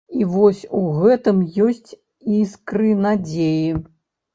І вось у гэтым есць іскры надзеі.